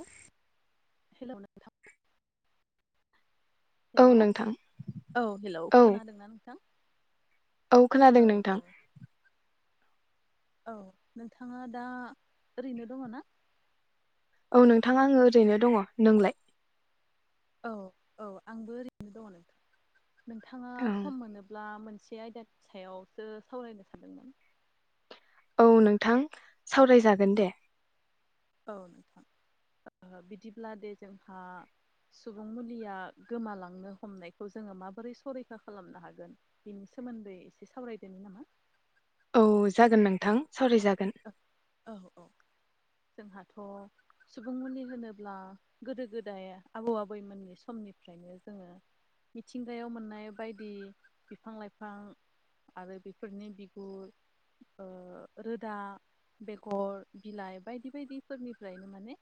औ। हेल' नोंथां। औ हेलौ नोंथां औ हेलौ औ खोनादोंना नोंथां। औ खोनादों नोंथां। औ नोंथाङा दा ओरैनो दङ ना? औ नोंथां आङो ओरैनो दङ नोंलाय। औ औ आंबो ओरैनो दङ नोंथां नोंथाङा औ सम मोनोब्ला मोनसे मोनसे आयदानि सायावसो सावरायनो सादोंमोन। औ नोंथां सावराय जागोन दे। औ नोंथां बिदिब्ला दे जोंहा सुबुं मुलिया गोमालांनो हमनायखौ जोङो माबोरै संरैखा खालामनो हागोन बेनि सोमोन्दै एसे सावरायदोंनि नामा? औ जागोन नोंथां सावरायजागोन। औ औ जोंहाथ' सुबुं उननि होनोब्ला गोदो गोदाय आबौ आबैमोननि समनि फ्रायनो जोङो मिथिंगायाव मोननाय बायदि बिफां लाइफां आरो बेफोरनि बिगुर ओ रोदा बेगर, बिलाइ, बायदि बायदि फोरनिफ्रायनो माने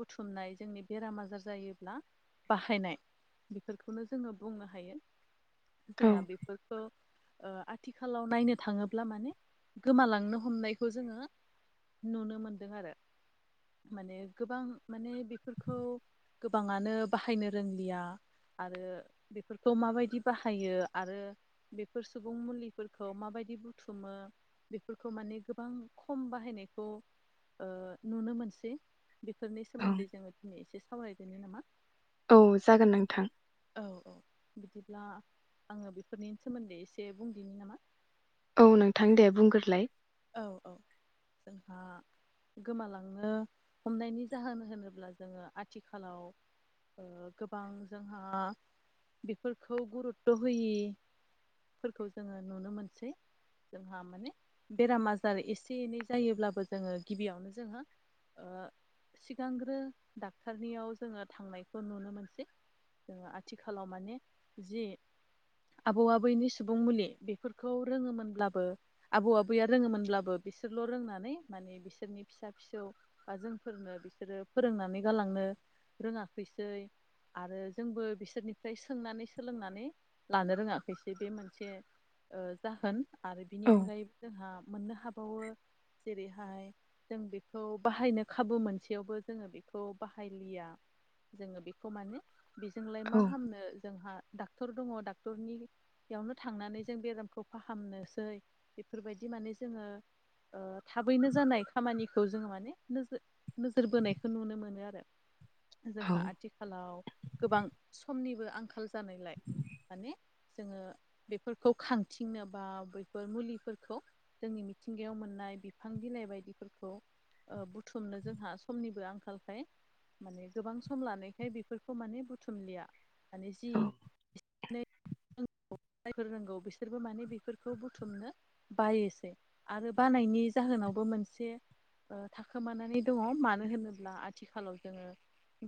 बुथुमनाय जोंनि बेराम आजार जायोब्ला बाहायनाय बेफोरखौनो जोङो बुंनो हायो औ जोंहा बेफोर ओ आथिखालाव नायनो थाङोब्ला माने गोमालांनो हमनाय खौ जोङो नुनो मोनदों आरो। माने गोबां माने बेफोरखौ गोबाङानो बाहायनो रोंलिया। आरो बेफोरखौ माबायदि बाहायो आरो बेफोर सुबुं मुलिफोरखौ माबायदि बुथुमो बेफोरखौ माने गो बां खम बाहायनायखौ ओ नुनो मोनसै। बेफोरनि औ सोमोन्दै जोङो दिनै एसे सावरायदोनि नामा? औ जागोन नोंथां। औ औ बिदिब्ला आङो बेफोरनि सोमोन्दै एसे बुंदिनि नामा? औ नोंथां दे बुंगोरलाय। औ औ जोंहा गोमालांनो हमनायनि जाहोन होनोब्ला जोङो आथिखालाव ओ गोबां जोंहा बेफोरखौ गुरुत्थ' होयि फोरखौ जोङो नुनो मोनसै जोंहा माने बेराम आजार एसे एनै जायोब्लाबो जोङो गिबियावनो जोहा ओ सिगांग्रो डाक्टरनियाव जोङो थांनायखौ नुनो मोनसै। ओ आथिखालाव माने जि आबौ आबैनि सुबुं मुलि बेफोरखौ रोङोमोनब्लाबो आबौ आब बैया रोङोमोनब्लाबो बिसोरल' रोंनानै माने बिसोरनि फिसा फिसौ बा जोंफोरनो बिसोरो फोरोंनानै गालांनो रोङाखैसै। आरो जोंबो बिसोरनिफ्राय सोंनानै सोलोंनानै लानो रोङाखैसै बे मोनसे ओ जाहोन आरो बिनि औ अनगायै जोंहा मोननो हाबावो जेरैहाय जों बेखौ बाहायनो खाबु मोनसेयावबो जोङो बेखौ बाहायलिया। जोङो बेखौ माने बेजोंलाय औ मा हामनो जोंहा डाक्टर दङ डाक्टरनियावनो थांनानै जों बेरामखौ फाहामनोसै बे फोरबायदि माने जोङो ओ थाबैनो जानाय खामानिखौ जोङो माने नोजो नोजोर बोनायखौ नुनो मोनो आरो। जोंहा आथिखालाव गोबां समनिबो आंखाल जानायलाय माने जोङो बेफोरखौ खांथिंनो बा बेफोर मुलिफोर खौ जोंनि मिथिंगायाव मोननाय बिफां बिलाइ बायदिफोरखौ ओ बुथुमनो जोंहा समनिबो आंखालखाय माने गोबां सम लानायखाय बेफोरखौ माने बुथुमलिया माने जि औ [unintelligible] जायफोर रोंगौ बिसोरबो माने बेफोरखौ बुथुमनो बायोसै आरो बानायनि जाहोनाव बो मोनसे ओ थाखोमानानै दङ मानो होनोब्ला आथिखालाव जोङो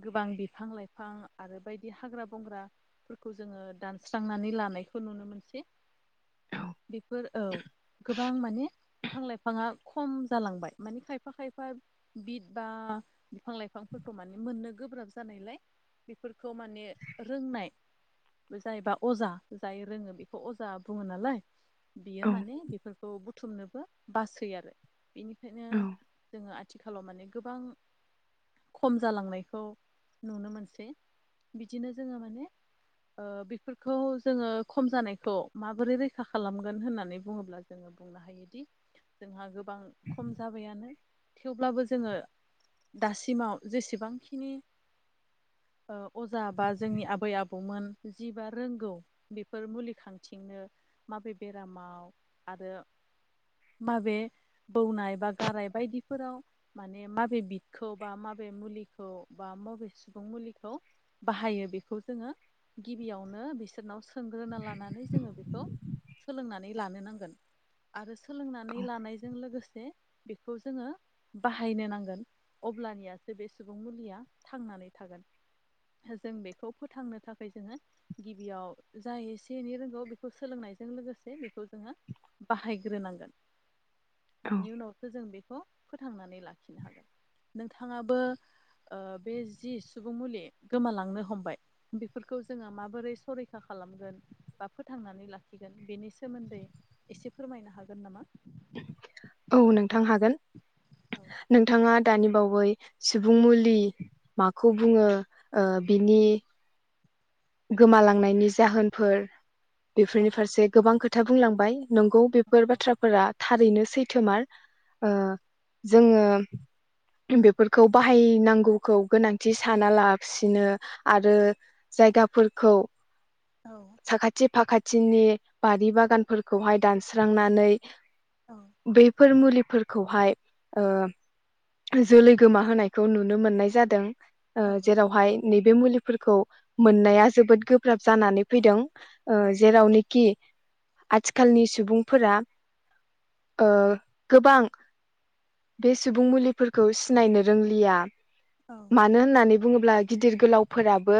गोबां बिफां लाइफां आरो बायदि हाग्रा बंग्राफोरखौ जोङो दानस्रांनानै लान नायखौ नुनो मोनसै बेफोर औ। गोबां माने बिफां लाइफाङा खम जालांबाय माने खायफा खायफा बिद बा बिफां लाइफांफोरखौ माने मोननो गोब्राब जानायलाय बेफोरखौ माने रोंनाय जाहैबा अजा जाय रोङो बेखौ अजा बुङो नालाय बियो औ माने बेफोरखौ बुथुमनो बो बासो आरो बेनिखायनो जोङो आथिखालाव माने गोबां खम जालांनायखौ नुनो मोनसै बिदिनो जोङो माने ओ बेफोरखौ जोङो खम जानायखौ माबोरै रैखा खालामगोन होननानै बुङोब्ला जोङो बुंनो हायोदि जोंहा गोबां खम जाबायानो थेवब्लाबो जोङो दासिमाव जेसेबांखिनि अजा बा जोंनि आबै आबौमोन जिबा रोंगौ बेफोर मुलि खांथिंनो माबे बेरामाव आरो माबे बौनाय बा गाराय बायदिफोराव माने माबे बिदखौ बा माब बबे मुलिखौ बा बबे सुबुं मुलिखौ बाहायो बेखौ जोङो गिबियावनो बिसोर नाव सोंग्रोना लानानै जोङो बेखौ सोलोंनानै लानो नांगोन आरो सोलोंनानै लानायजों लोगोसे बेखौ जोङो बाहायनो नांगोन अब्लानियासो बे सुबुं मुलिया थांनानै थागोन जों बेखौ फोथांनो थाखाय जोङो गिबियाव जा एसे एनै रोंगौ बेखौ सोलोंनायजों लोगोसे बेखौ जोङो बाहायग्रोनांगोन औ बिनि उनावसो जों बेखौ फोथांनानै लाखिनो हागोन नोंथाङाबो ओ बे जि सुबुं मुलि गोमालांनो हमबाय बेफोरखौ जोङो माबोरै संरै आसा खालामगोन बा फोथांनानै लाखिगोन बेनि सोमोन्दै एसे फोरमायनो हागोन नामा [inaudible] [unintelligible] औ नोंथां हागोन औ नोंथाङा दानि बावै सुबुं मुलि माखौ बुङो? ओ बिनि गोमालांनायनि जाहोनफोर बेफोरनि औ फारसे गोबां खोथा बुंलांबाय नंगौ बेफोर बाथ्राफोरा थारैनो सैथोमार ओ जोङो बेफोरखौ बाहायनांगौखौ गोनांथि साना लासिनो आरो जायगा फोरखौ औ खाथिनि बारि बागानफोरखौहाय दानस्रांनानै औ बैफोर मुलि फोरखौहाय ओ जोलै गोमा होनायखौ नुनो मोननाय जादों ओ औ जेरावहाय नैबे मुलिफोरखौ मोननाया जोबोद गोब्राब जानानै फैदों ओ औ जेरावनोखि आथिखालनि सुबुंफोरा ओ गोबां बे सुबुं मुलिफोरखौ सिनायनो रोंलिया औ मानो होननानै बुङोब्ला गिदिर गोलावफोराबो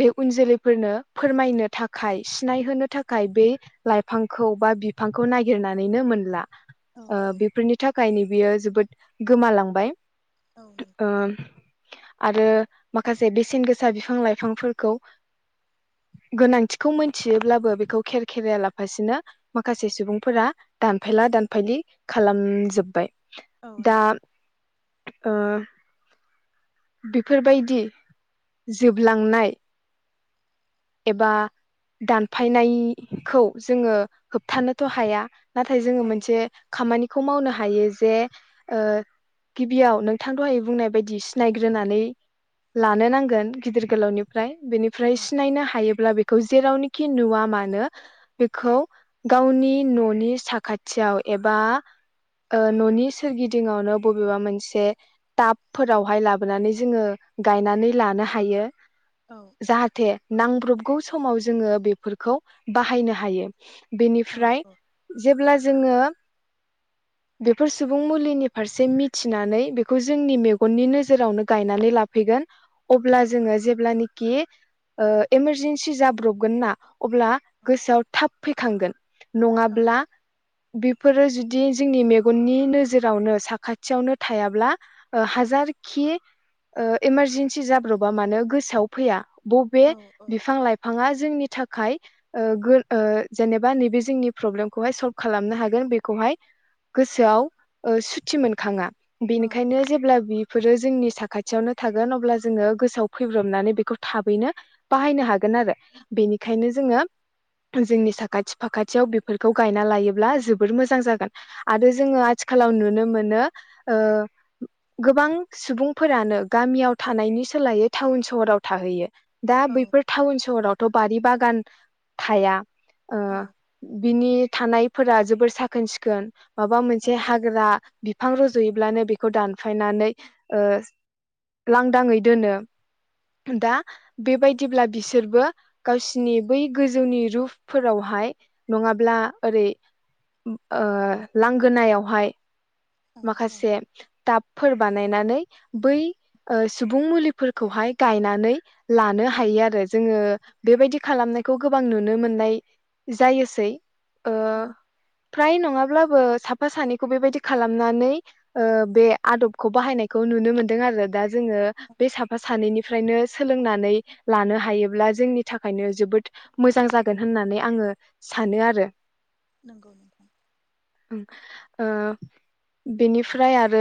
बे उन जोलै फोरनो फोरमायनो थाखाय सिनायहोनो थाखाय बे लाइफांखौ बा बिफांखौ नागिर नानैनो मोनला ओ औ बेफोरनि थाखायनो बियो जोबोद गोमालांबाय औ नंगौ ओ आरो माखासे बेसेन गोसा बिफां लाइफांफोरखौ [inaudible] [unintelligible] गोनांथिखौ मोनथियोब्लाबो बेखौ खेर खेराया लाफासिनो माखासे सुबुंफोरा दानफाय दानफायला दानफायलि खालामजोब्बाय औ दा नंगौ ओ बिफोरबायदि जोबलांनाय एबा दानफायनायखौ जोङो होबथानोथ' हाया नाथाय जोङो औ मोनसे खामानिखौ मावनो हायो जे ओ गिबियाव नोंथां दहाय बुंनाय बायदि सिनायग्रोनानै औ लानो नांगोन गिदिर गोलावनिफ्राय औ बेनिफ्राय सिनायनो हायोब्ला बेखौ जेरावनोखि नुवा मानो बेखौ गावनि न'नि साखाथियाव एबा ओ न'नि सोरगिदिंआवनो बबेबा मोनसे टाबफोरावहाय लाबोनानै जोङो गायनानै लानो हायो औ जाहाथे नांब्रबगौ समाव जोङो बेफोरखौ बाहायनो हायो औ बेनिफ्राय औ जेब्ला जोङो बेफोर सुबुं मुलिनि फारसे मिथिनानै बेखौ जोंनि मेगननि नोजोरावनो गायनानै लाफैयो अ जोङो जेब्ल इमारजेन्सि जाब्रबगोन ना अब्ला गोसोआव थाब फैखांगोन औ नङाब्ला बेफोरो जुदि जोंनि मेगननि नोजोरावनो साखाथियावनो थायाब्ला हाजार इसि जाब्रबा म गोसोआवै। बे बिफां लाइफाङा जोंनि थाखाय जेनेबा नैबे जोंनि प्रब्लेमखौहाय सल्भ खालामनो हागोन बेखौहाय गोसोआव सुथि मोनखाङा बेनिखायनो जेब्ला बेफोरो जोंनि साखाथियावनो थागोन अब्ला जोङो गोसोआव फैब्रबनानै बेखौ थाबैनो बाहायनो हागोन आरो बेनिखायनो जोङो जोंनि साखाथि फाखाथियाव बेफोरखौ गायना लायोब्ला जोबोर मोजां जागोन आरो जोङो आथिखाल ाव नुनो मोनो गोबां सुबुंफोरानो गामियाव थानायनि सोलायो टाउन सहराव थाहैयो। दा बैफोर थटाउन सहरावथ' बारि बागान थाया? बिनि थानायफोरा जोबोर साखोन सिखोन माबा औ मोनसे हाग्रा बिफां रजुयोब्लानो बेखौ दानफायनानै लांदाङै दोनो दा बेबायदिब्ला बिसोरबो गावसिनि बै गोजौनि रुपफोरावहाय नङाब्ला ओरै लांगोनायावहाय माखासे ाब फोर बानायनानै बै सुबुं मुलिफोरखौहाय गायनानै लानो हायो आरो जोङो बेबायदि खालामनायखौ गोबां नुनो मोननाय जायोसै। औ फ्राय नङाब्लाबो साफा सानैखौ बेबायदि खालामनानै बे आदबखौ बाहायनायखौ नु नुनो मोनदों आरो दा जोङो बे साफा सानैनिफ्रायनो स सोलोंनानै लानो हायोब्ला जोंनि थाखायनो जोबोद मोजां जागोन होननानै आङो सानो मोनो आरो नंगौ नंगौ। बेनिफ्राय आरो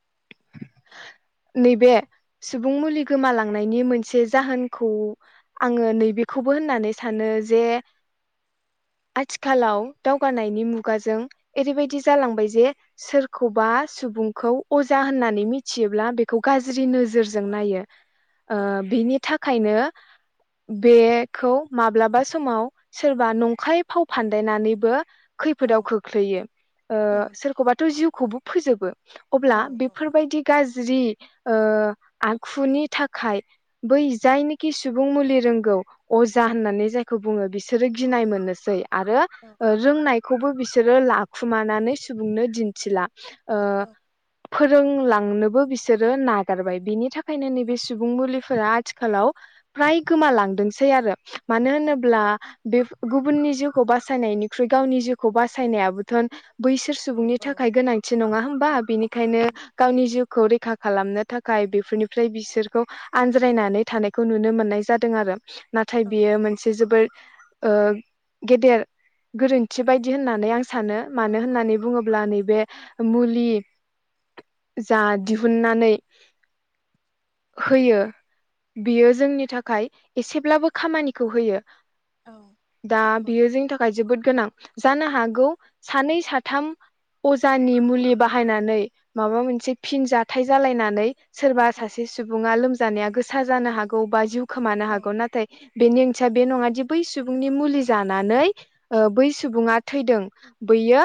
[inaudible] नैबे सुबुं मुलि गोमालांनायनि मोनसे जाहोनखौ आङो नैबेखौ खौबो होननानै सानो जे [inaudible] आथिखालाव दावगानायनि मुगाजों ओरैबायदि जालांबाय जे सोरखौबा सुबुंखौ अजा होननानै मिथियोब्ला बेखौ गाज्रि नोजोर औ जोरजों नायो औ बिनि थाखायनो [inaudible] बेखौ माब्लाबा समाव सोरबा नंखाय फाव फान्दायनानैबो औ खैफोदाव खोख्लैयो। ओ औ सोरखौबाथ' जिउखौबो फोजोबो। औ अब्ला औ बेफोरबायदि गाज्रि ओ आखुनि थाखाय बै जायनिखि सुबुं मुलि रोंगौ अजा होननानै जायखौ बुङो बिसोरो गिनाय मोननोसै आरो ओ रोंनायखौबो बिसोरो लाखुमानानै सुबुंनो दिन्थिला ओ औ फोरोंलांनोबो बिसोरो नागारबाय। बिनि थाखायनो नैबे सुबुं मुलिफोरा थिखालाव फ्राय गोमालांदोंसै आरो मानो होनोब्ला बिफ गुबुननि जिउखौ बासायनायनिख्रुइ गावनि जिउखौ बासायनायाबोथन बैसोर सुबुंनि औ थाखाय गोनांथि नङा होमबा औ औ बिनिखायनो नंगौ गावनि जिउखौ रै खा खालामनो थाखाय बेफोरनिफ्राय बिसोरखौ आनज्रायनानै थानायखौ नुनो मोननाय जादों आरो नाथाय औ बियो मोनसे जोबोर ओ गेदेर गोरोन्थि बायदि होननानै आं सानो। औ मानो होननानै बुङोब्ला नैबे मुलि जा दिहुननानै होयो बियो जोंनि थाखाय एसेब्लाबो खामानिखौ होयो। औ दा नंगौ बियो जोंनि थाखाय जोबोद गोनां। जानो हागौ सानै साथाम अजानि मुलि बाहायनानै माबा मोनसे फिन जाथाय जालायनानै सोरबा औ सासे सुबुङा लोम जानाया गोसा जानो हागौ बा जिउ खोमानो हागौ। औ नाथाय बेनि ओं थिया बे नङा दि बै सुबुंनि मुलि जानानै ओ बै सुबुङा थैदों बैयो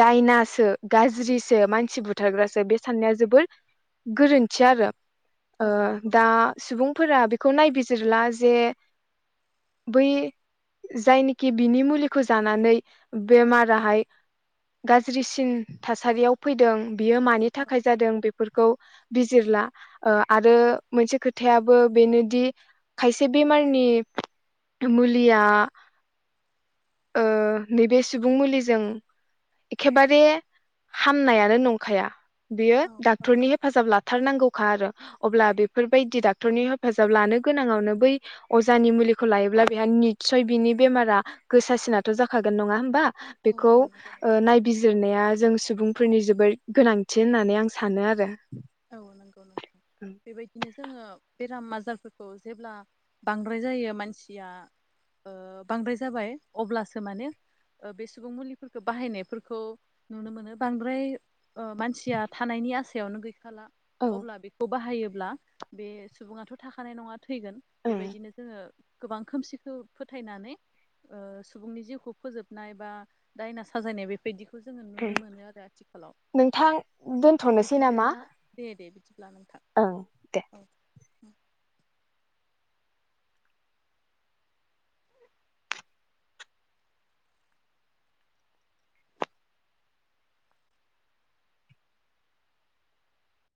दायनासो गारज्रि सो मानसि बुथारग्रासो बे साननाया जोबोर गोरोन्थि आरो औ ओ औ दा सुबुंफोरा बेखौ नायबिजिरला जे बै जायनिखि बिनि मुलिखौ जानानै बेमाराहाय गारज्रिसिन थासारियाव फैदों बियो मानि थाखाय जादों बेफोरखौ बिजिरला। ओ आरो मोनसे खोथाया बो बेनोदि खायसे बेमारनि मुलिया ओ नैबे सुबुं मुलिजों एखेबारे हामनायानो नंखाया। बियो डाक्टरनि हेफाजाब लाथारनांगौखा आरो अब्ला बेफोरबायदि डाक टरनि हेफाजाब लानो गोनाङावनो बै अजानि मुलिखौ लायोब्ला बेहा नितसय बिनि बेमारा गोसासिनाथ' जाखागोन नङा होमबा। बेखौ औ नंगौ ओ नायबिजिरनाया जों सुबुं फोरनि जोबोद गोनांथि होननानै आं सानो आरो औ नोंगौ नोंथां। बेबायदिनो जोङो बेराम आजारफोरखौ जेब्ला बांद्राय जायो मानसिया ओ बांद्राय जाबाय अब्लासो माने ओ बे सुबुं मुलिफोरखौ बाहायनायफोरखौ नुनो मोनो बांद्राय ओ मानसिया थानाय नि आसायावनो गैखाला औ ओं अब्ला बेखौ बाहायोब्ला बे सुबुङाथ' थाखानाय नङा थैगोन ओं बेबायदिनो जोङो गोबां खोमसिखो फोथायनानै ओ सुबुंनि जिउखौ फोजोबनाय बा दायना साजायनाय बेफबायदि खौ जोङो नुनो मोनो आरो आथिखालाव। नोंथां दोनथ'नोसै बिदिब्ला नामा दे दे बिदि ब्ला नोंथां ओं दे औ।